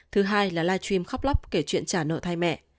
thứ hai là live stream khóc lóc kể chuyện trả nợ thay mẹ